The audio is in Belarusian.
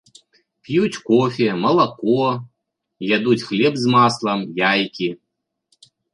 П'юць кофе, малако, ядуць хлеб з маслам, яйкі.